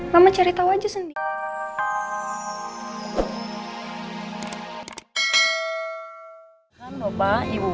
mama cari tahu aja sendiri